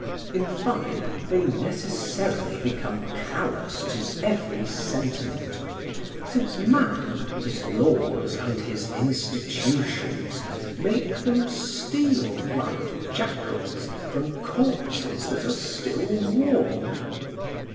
In fine, they necessarily become callous to every sentiment, since man, his laws and his institutions, make them steal, like jackals, from corpses that are still warm.